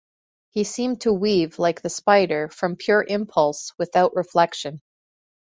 He seemed to weave, like the spider, from pure impulse, without reflection.